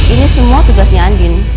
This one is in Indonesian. ini semua tugasnya anding